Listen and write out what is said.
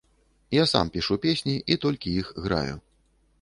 Я сам пішу песні і толькі іх граю.